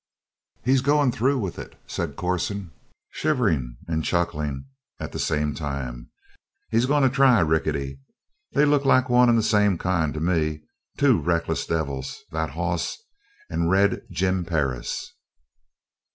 "He's going through with it," said Corson, shivering and chuckling at the same time. "He's going to try Rickety. They look like one and the same kind to me two reckless devils, that hoss and Red Jim Perris!"